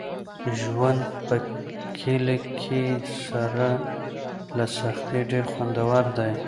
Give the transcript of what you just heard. ژوند په کلي کې سره له سختۍ ډېر خوندور دی.